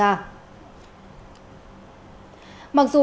mặc dù công trình bày tỏ